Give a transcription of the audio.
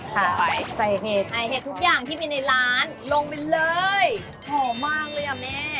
ค่ะใส่เห็ดทุกอย่างที่มีในร้านลงไปเลยหอมมากเลยอะแม่